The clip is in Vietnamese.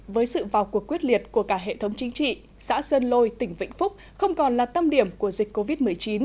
với sự vào cuộc quyết liệt của cả hệ thống chính trị xã sơn lôi tỉnh vĩnh phúc không còn là tâm điểm của dịch covid một mươi chín